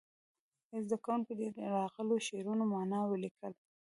زده کوونکي دې د راغلو شعرونو معنا ولیکي.